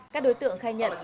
các đối tượng khai nhận